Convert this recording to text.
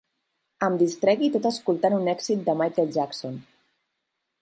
Em distregui tot escoltant un èxit de Michael Jackson.